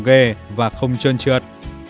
cố ghê và không trơn trượt